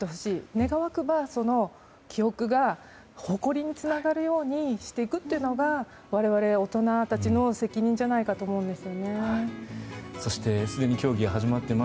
願わくば、その記憶が誇りにつながるようにしていくというのは我々、大人たちの責任じゃないかと思うんです。